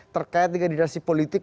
terkait dengan dirasi politik